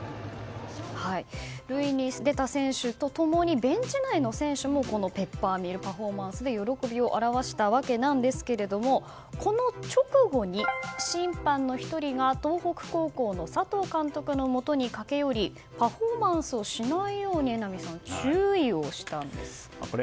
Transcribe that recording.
塁に出た選手と共にベンチ内の選手もペッパーミルパフォーマンスで喜びを表したわけなんですがこの直後に審判の１人が東北高校の佐藤監督のもとに駆け寄りパフォーマンスをしないように注意をしたんです、榎並さん。